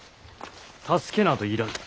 助けなど要らぬ。